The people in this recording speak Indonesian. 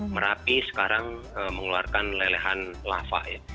merapi sekarang mengeluarkan lelehan lava ya